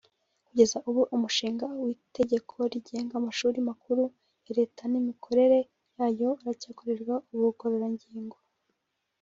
Kugeza ubu uyu mushinga w’itegeko rigenga amashuri makuru ya Leta n’imikorere yayo uracyakorerwa ubugororangingo